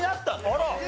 あら！